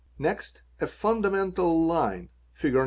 Next a fundamental line (Fig.